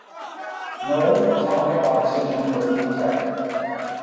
No atomic oxygen was detected.